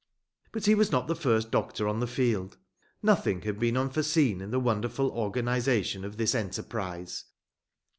But he was not the first doctor on the field. Nothing had been unforeseen in the wonderful organization of this enterprise.